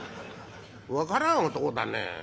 「分からん男だね。